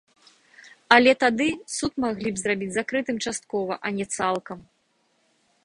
Але тады суд маглі б зрабіць закрытым часткова, а не цалкам.